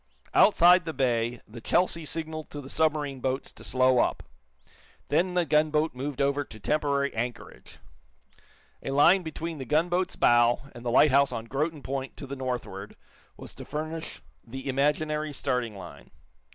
Outside the bay the "Chelsea" signaled to the submarine boats to slow up. Then the gunboat moved over to temporary anchorage. A line between the gunboat's bow and the lighthouse on Groton Point, to the northward, was to furnish the imaginary starting line.